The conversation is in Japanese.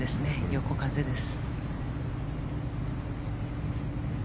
横風です。